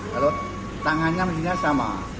kalau tangannya mesinnya sama